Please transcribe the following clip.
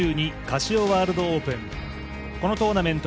カシオワールドオープン